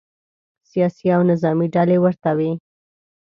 سیاسي او نظامې ډلې ورته وي.